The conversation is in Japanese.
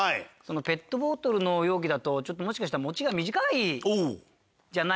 ペットボトルの容器だともしかしたら持ちが短いんじゃないかな。